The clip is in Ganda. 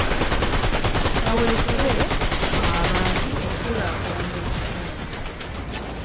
Kaweefube w'abantu okukulaakulanya ekitundu.